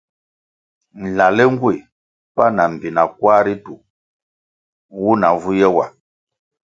Nlale ngueh pan ma mbpina kwar ritu nwuna vu ye wa.